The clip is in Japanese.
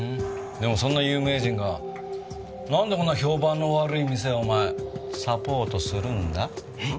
でもそんな有名人がなんでこんな評判の悪い店をお前サポートするんだ？え？